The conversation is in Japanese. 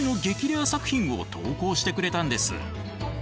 レア作品を投稿してくれたんです。